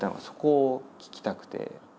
そこを聞きたくて。